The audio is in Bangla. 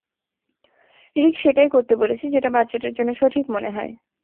রিক সেটাই করতে বলেছে, যেটা বাচ্চাটার জন্য সঠিক মনে হয়।